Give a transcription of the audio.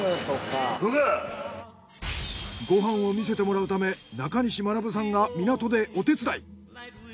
ご飯を見せてもらうため中西学さんが港でお手伝い。